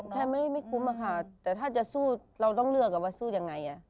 ใช่ไม่คุ้มค่ะแต่ถ้าจะสู้เราต้องเลือกว่าสู้ยังไง